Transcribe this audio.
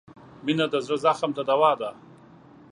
• مینه د زړه زخم ته دوا ده.